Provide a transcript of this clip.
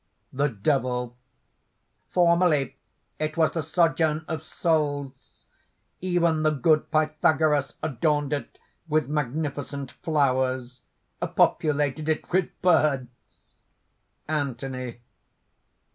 _) THE DEVIL. "Formerly it was the sojourn of souls! Even the good Pythagoras adorned it with magnificent flowers, populated it with birds!" ANTHONY.